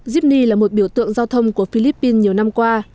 sydney là một biểu tượng giao thông của philippines nhiều năm qua